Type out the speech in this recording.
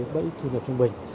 bẫy thu nhập trung bình